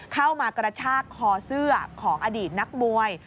เข้ามากระชากคอเสื้อของอดีตนักมวย